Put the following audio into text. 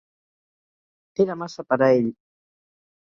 Era massa per a ell.